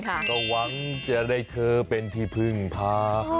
ก็หวังจะได้เธอเป็นที่พึ่งพา